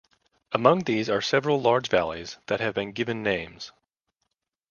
Among these are several large valleys that have been given names.